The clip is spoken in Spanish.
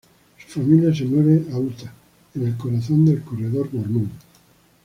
Su familia se mueve a Utah, en el corazón del Corredor Mormón.